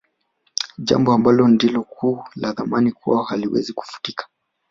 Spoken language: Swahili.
Jambo ambalo ndilo kovu la Thamani kwao haliwezi kufutika